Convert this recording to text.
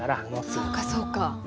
そうかそうか。